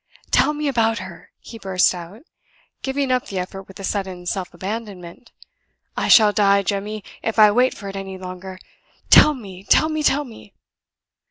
"Tell me about her!" he burst out, giving up the effort with a sudden self abandonment. "I shall die, Jemmy, if I wait for it any longer. Tell me! tell me! tell me!"